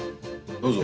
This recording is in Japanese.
どうぞ。